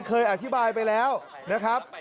เคยอธิบายไปแล้วนะครับ